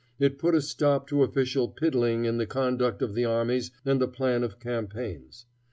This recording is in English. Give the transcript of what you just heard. It put a stop to official piddling in the conduct of the armies and the plan of campaigns.